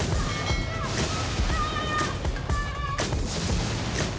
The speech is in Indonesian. lo sih badannya lembek